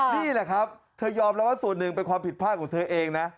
นี่แหละครับเธอยอมรับว่าส่วนหนึ่งเป็นความผิดพลาดของเธอเองนะ